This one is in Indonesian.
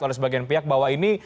oleh sebagian pihak bahwa ini